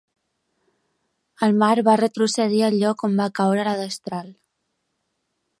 El mar va retrocedir al lloc on va caure la destral.